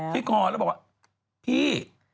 ที่คอแล้วบอกว่าพี่